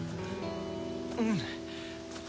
うん！